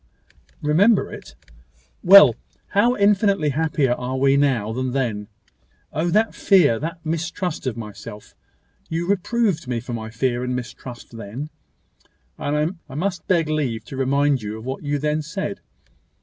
"Remember it!" "Well. How infinitely happier are we now than then! Oh! that fear that mistrust of myself! You reproved me for my fear and mistrust then; and I must beg leave to remind you of what you then said.